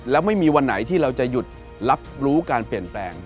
แล้วไม่มีวันไหนที่เราจะหยุดรับรู้การเปลี่ยนแปลง